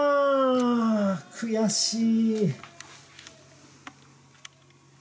悔しい。